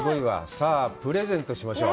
さあ、プレゼントしましょう。